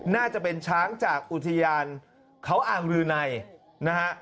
น่าจะเป็นช้างจากอุทยานเขาอ่างรืนัยนะฮะ